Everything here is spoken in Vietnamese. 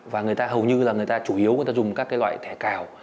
và người ta hầu như là người ta chủ yếu người ta dùng các cái loại thẻ cào